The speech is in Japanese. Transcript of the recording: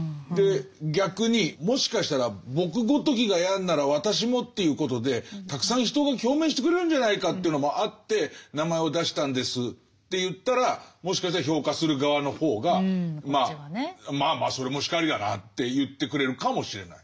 逆に「もしかしたら僕ごときがやるなら私もということでたくさん人が共鳴してくれるんじゃないかというのもあって名前を出したんです」って言ったらもしかしたら評価する側の方が「まあまあそれも然りだな」って言ってくれるかもしれない。